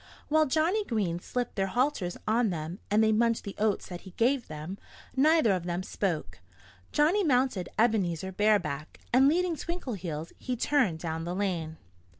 While Johnnie Green slipped their halters on them, and they munched the oats that he gave them, neither of them spoke. Johnnie mounted Ebenezer bareback; and leading Twinkleheels, he turned down the lane.